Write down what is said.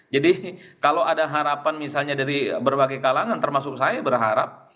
jadi kalau ada harapan misalnya dari berbagai kalangan termasuk saya berharap